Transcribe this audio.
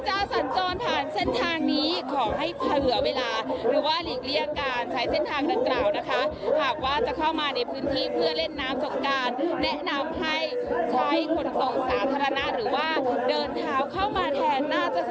การใช้เส้นทางดังเกลานะคะหากว่าจะเข้ามาในพื้นที่เพื่อเล่นน้ำสกานแนะนำให้ใช้ก็ต้องสาธารณะหรือว่าเดินท้าเข้ามาแทนน่าจะส